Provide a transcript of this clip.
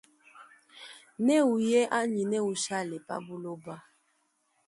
Newuye anyi ne ushale pa buloba.